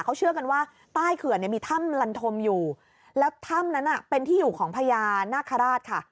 เขาเชื่อกันว่าใต้เขื่อนเนี่ยมีถ้ำลันธมอยู่แล้วถ้ำนั้นเป็นที่อยู่ของพญานาคาราชค่ะ